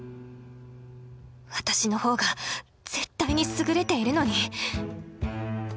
私の方が絶対に優れているのに！